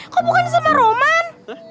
kau bukan sama roman